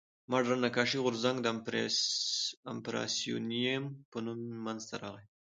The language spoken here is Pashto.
مډرن نقاشي غورځنګ د امپرسیونیېم په نوم منځ ته راغی.